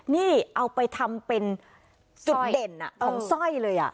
นี่เอาไปทำเป็นจุดเด่นของสร้อยเลย